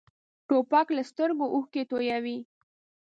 توپک له سترګو اوښکې تویوي.